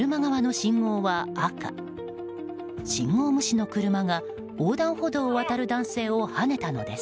信号無視の車が、横断歩道を渡る男性をはねたのです。